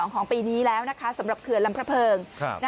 ของปีนี้แล้วนะคะสำหรับเขื่อนลำพระเพิง